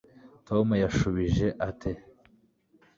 tom yashubije ate